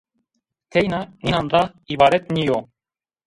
Teyna nînan ra îbaret nîyo